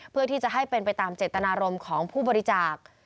เพื่อที่จะให้เป็นไปตามเจตนารมณ์ของผู้บริจาค